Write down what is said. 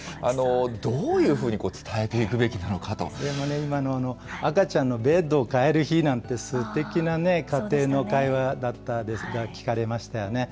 どういうふうに伝えていくべきなでもね、今の赤ちゃんのベッドをかえる日なんてね、すてきな家庭の会話だったですが、聞かれましたよね。